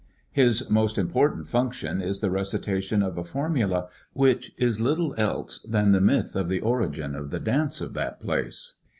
His most important function is the recitation of a formula which is little else than the myth of the origin of the dance of that place.